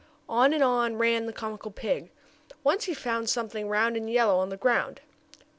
On and on ran the comical pig. Once he found something round and yellow on the ground.